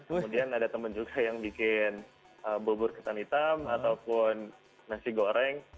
kemudian ada temen juga yang bikin bulbur kesan hitam ataupun nasi goreng